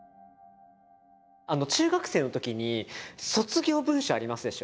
中学生のときに卒業文集ありますでしょ？